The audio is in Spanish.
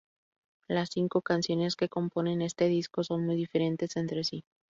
Las cinco canciones que componen este disco son muy diferentes entre sí.